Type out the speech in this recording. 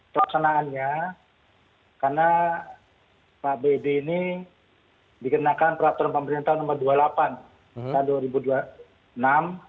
pelaksanaannya karena pak bd ini dikenakan peraturan pemerintah nomor dua puluh delapan tahun dua ribu dua puluh enam